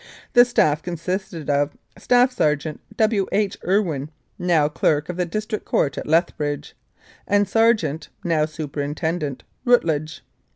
The staff consisted of Staff Sergeant W. H. Irwin (now Clerk of the District Court at Lethbridge) and Sergeant (now Superintendent) Routledge.